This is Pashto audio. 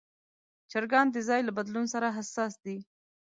چرګان د ځای له بدلون سره حساس دي.